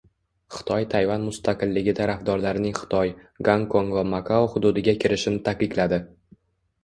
Xitoy Tayvan mustaqilligi tarafdorlarining Xitoy, Gonkong va Makao hududiga kirishini taqiqladi